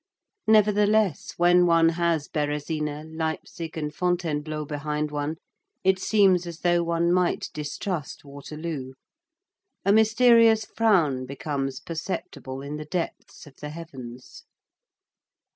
Nevertheless, when one has Bérésina, Leipzig, and Fontainebleau behind one, it seems as though one might distrust Waterloo. A mysterious frown becomes perceptible in the depths of the heavens.